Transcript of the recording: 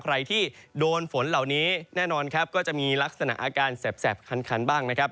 ใครที่โดนฝนเหล่านี้แน่นอนครับก็จะมีลักษณะอาการแสบคันบ้างนะครับ